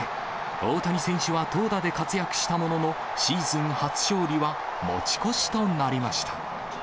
大谷選手は投打で活躍したものの、シーズン初勝利は持ち越しとなりました。